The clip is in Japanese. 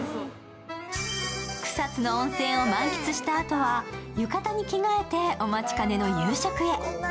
草津の温泉を満喫したあとはゆかたに着替えてお待ちかねの夕食へ。